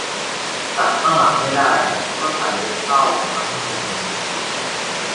ตัดข้างหลังไม่ได้ก็ไถเท่าทั้งหัว